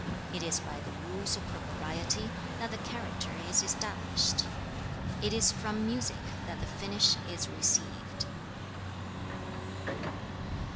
2. 'It is by the Rules of Propriety that the character is established. 3. 'It is from Music that the finish is received.'